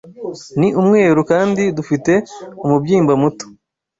Ni umweru kandi dufite umubyimba muto